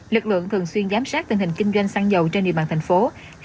lực lượng thường xuyên giám sát tình hình kinh doanh săn dầu trên địa bàn tp hcm